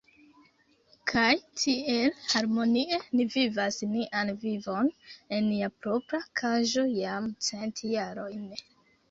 Kaj tiel harmonie ni vivas nian vivon en nia propra kaĝo jam cent jarojn.